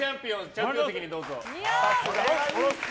チャンピオン席にどうぞ。